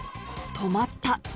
止まった！